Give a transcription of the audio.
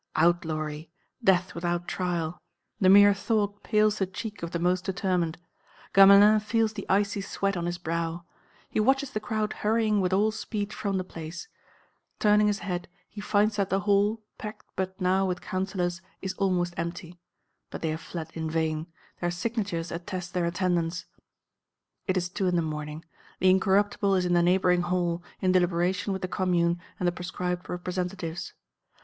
Outlawry, death without trial! The mere thought pales the cheek of the most determined. Gamelin feels the icy sweat on his brow. He watches the crowd hurrying with all speed from the Place. Turning his head, he finds that the Hall, packed but now with Councillors, is almost empty. But they have fled in vain; their signatures attest their attendance. It is two in the morning. The Incorruptible is in the neighbouring Hall, in deliberation with the Commune and the proscribed representatives.